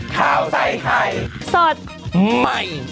ข้าวใส่ไข่สดใหม่